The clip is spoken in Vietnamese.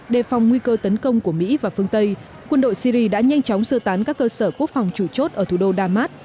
đề phòng nguy cơ tấn công của mỹ và phương tây quân đội syri đã nhanh chóng sơ tán các cơ sở quốc phòng chủ chốt ở thủ đô damas